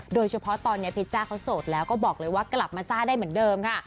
โดยเฉพาะตอนนี้เพชรจ้าเขาโสดแล้วก็บอกเลยว่ากลับมาซ่าได้เหมือนเดิมค่ะ